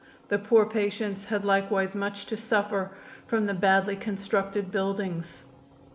The poor patients had likewise much to suffer from the badly constructed buildings.